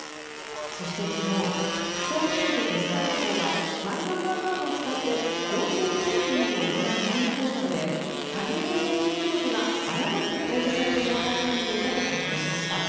そして、昨日総務省とデジタル庁はマイナンバーカードを使って行政手続きなどを行うマイナポータルで他人の年金記録が誤って表示される問題が起きていたと発表しました。